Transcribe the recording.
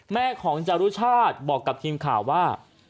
แม่ของจารุชาติบอกกับทีมข่าวว่า